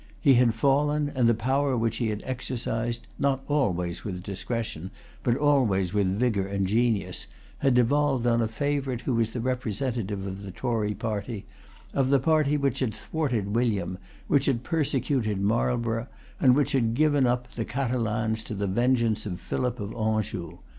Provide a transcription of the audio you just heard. He had fallen; and the power which he had exercised, not always with discretion, but always with vigor and genius, had devolved on a favorite who was the representative of the Tory party, of the party which had thwarted William, which had persecuted Marlborough, and which had given up the Catalans to the vengeance of Philip of Anjou.